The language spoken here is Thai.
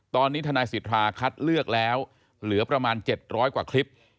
ตอนนี้ทนายสิทธาคัดเลือกแล้วเหลือประมาณ๗๐๐กว่าคลิป